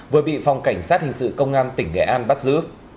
vừa bị phòng cảnh sát hình sự công an tỉnh nghệ an bắt giữ